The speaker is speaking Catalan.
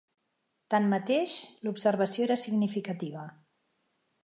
Tanmateix, l'observació era significativa.